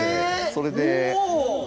それで。